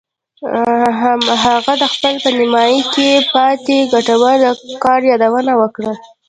هغه د خپل په نیمایي کې پاتې ګټور کار یادونه وکړه